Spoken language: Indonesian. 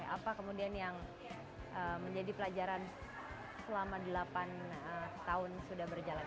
apa kemudian yang menjadi pelajaran selama delapan tahun sudah berjalan